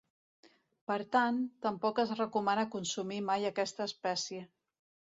Per tant, tampoc es recomana consumir mai aquesta espècie.